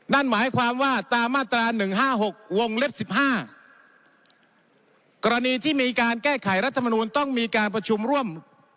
นั่นหมายความว่าตามมาตรา๑๕๖วงเล็บสิบห้ากรณีที่มีการแก้ไขรัฐมนูลต้องมีการประชุมร่วม